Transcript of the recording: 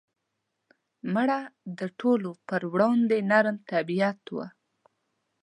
مړه د ټولو پر وړاندې نرم طبیعت وه